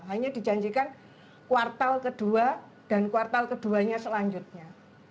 hanya dijanjikan kuartal kedua dan kuartal keduanya selanjutnya